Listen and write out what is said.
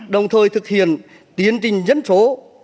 đồng thời thực hiện tiến trình dân số